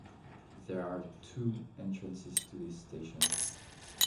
There are two entrances to this station.